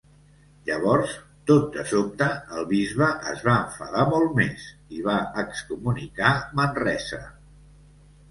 Llavors, tot de sobte, el bisbe es va enfadar molt més i va excomunicar Manresa.